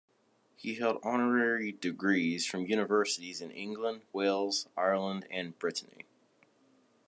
He held honorary degrees from universities in England, Wales, Ireland and Brittany.